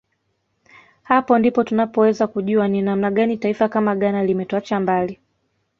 Hapo ndipo tunapoweza kujua ni namna gani taifa kama Ghana limetuacha mbali